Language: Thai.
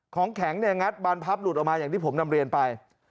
ของแข็งเนี่ยงัดบานพับหลุดออกมาอย่างที่ผมนำเรียนไป